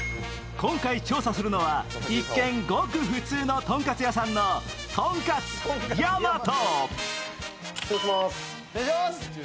今回調査するのは、一見ごく普通の豚カツ屋さんのとんかつやまと。